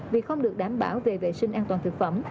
vì không được đảm bảo về vệ sinh an toàn thực phẩm